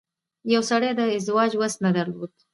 يوه سړي د ازدواج وس نه درلود.